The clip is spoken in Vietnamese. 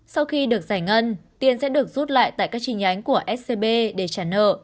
sau khi được giải ngân tiền sẽ được rút lại tại các trình ánh của scb để trả nợ